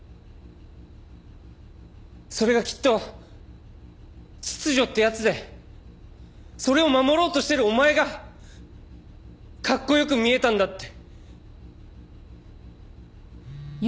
それがきっと秩序ってやつでそれを守ろうとしてるお前がかっこよく見えたんだって。